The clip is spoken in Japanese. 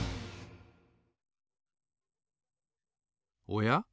おや？